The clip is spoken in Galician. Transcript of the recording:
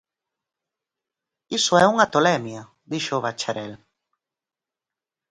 Iso é unha tolemia! –dixo o bacharel.